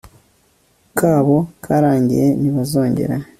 kabo karangiye nibazongere